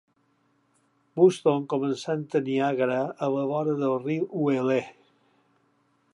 Buxton, començant a Niangara a la vora del riu Uele.